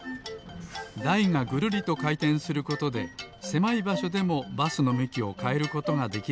だいがぐるりとかいてんすることでせまいばしょでもバスのむきをかえることができるのです。